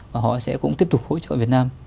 và họ sẽ cũng tiếp tục hỗ trợ việt nam